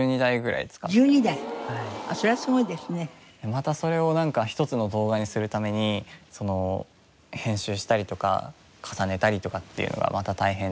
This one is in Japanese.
またそれを一つの動画にするために編集したりとか重ねたりとかっていうのがまた大変で。